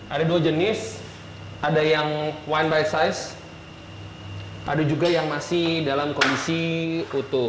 ada dua jenis ada yang wine by size ada juga yang masih dalam kondisi utuh